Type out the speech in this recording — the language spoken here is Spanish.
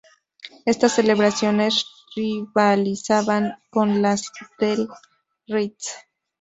Estas celebraciones rivalizaban con las del Ritz.